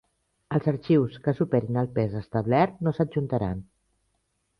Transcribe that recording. Els arxius que superin el pes establert no s'adjuntaran.